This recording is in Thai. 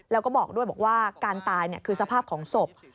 แล้วก็บอกด้วยบอกว่าการตายคือสภาพของศพ